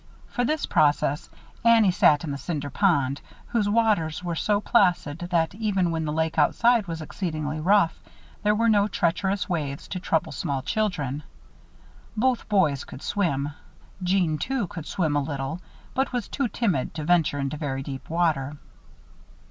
For this process, Annie sat in the Cinder Pond, whose waters were so placid that, even when the lake outside was exceedingly rough, there were no treacherous waves to trouble small children. Both boys could swim. Jeanne, too, could swim a little, but was too timid to venture into very deep water.